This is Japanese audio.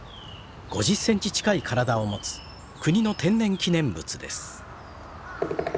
５０センチ近い体を持つ国の天然記念物です。